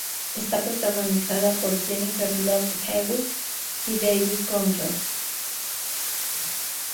Está protagonizada por Jennifer Love Hewitt y David Conrad.